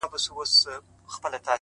ښه موده کيږي چي هغه مجلس ته نه ورځمه!!